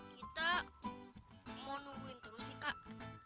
kita mau nungguin terus sih kak